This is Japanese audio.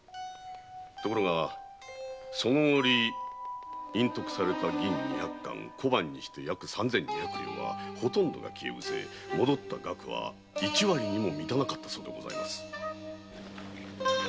ところがそのおり隠匿された銀二百貫小判にして約三千二百両はほとんどが消え失せ戻った額は一割にも満たなかったそうでございます。